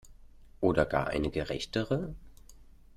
Oder gar eine gerechtere?